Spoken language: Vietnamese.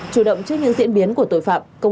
chủ động trước những diễn biến của tội phạm